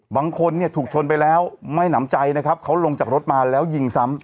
บางคนเนี่ยถูกชนไปแล้วไม่หนำใจนะครับเขาลงจากรถมาแล้วยิงซ้ำ